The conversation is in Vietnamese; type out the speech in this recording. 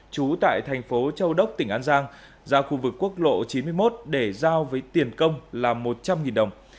chú tại tp châu đốc tỉnh an giang ra khu vực quốc lộ chín mươi một để giao với tiền công là một trăm linh đồng